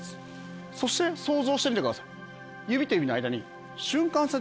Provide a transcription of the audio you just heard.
そして想像してみてください。